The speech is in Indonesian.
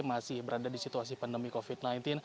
masih berada di situasi pandemi covid sembilan belas